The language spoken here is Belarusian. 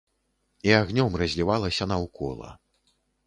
І агнём разлівалася наўкола.